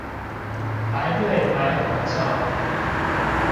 排隊買口罩